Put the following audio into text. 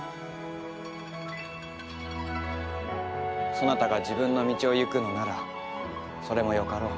そなたが自分の道を行くのならそれもよかろう。